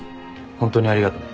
ホントにありがとね。